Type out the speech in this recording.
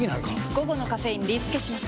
午後のカフェインリスケします！